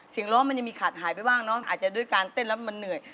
ร้องมันยังมีขาดหายไปบ้างเนอะอาจจะด้วยการเต้นแล้วมันเหนื่อย